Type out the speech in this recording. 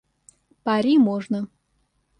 Пари можно.